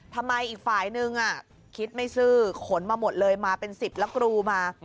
อีกฝ่ายนึงคิดไม่ซื้อขนมาหมดเลยมาเป็น๑๐แล้วกรูมา